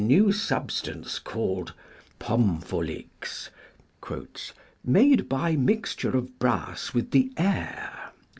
new substance called Pompholt/x, " made by Mixture of Brass with the Air"!